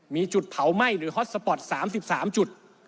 มีจุดเผาไหม้หรือฮอตสปอร์ต๓๓จุด